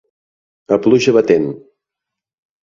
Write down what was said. A pluja batent.